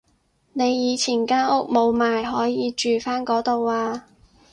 你以前間屋冇賣可以住返嗰度啊